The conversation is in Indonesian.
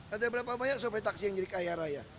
ada berapa banyak sopir taksi yang jadi kaya raya